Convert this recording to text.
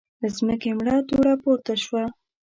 له ځمکې مړه دوړه پورته شوه.